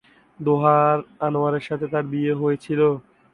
দোহার আনোয়ারের সাথে তার বিয়ে হয়েছিল।